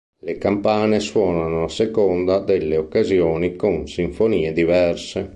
Le campane suonano a seconda delle occasioni con sinfonie diverse.